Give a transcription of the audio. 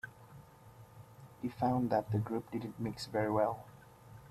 He found that the group didn't mix very well.